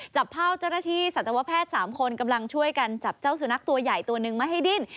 จับภาพเจ้าหน้าที่สัตวแพทย์๓คนกำลังช่วยกันจับเจ้าสุนัขตัวใหญ่ตัวนึงมาให้ดิ้น